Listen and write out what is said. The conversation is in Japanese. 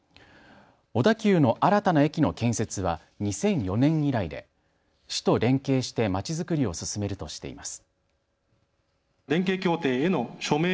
小田急の新たな駅の建設は２００４年以来で市と連携してまちづくりを進めるとしています。